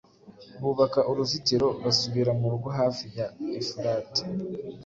Bubaka uruzitiro basubira murugo hafi ya Efurate